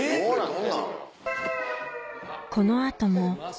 どんな？